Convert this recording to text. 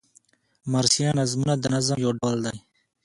مرثیه نظمونه د نظم یو ډول دﺉ.